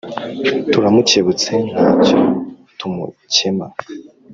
Turamukebutse ntacyo tumukema